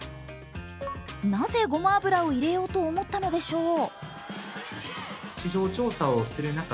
なぜ、ごま油を入れようと思ったのでしょう？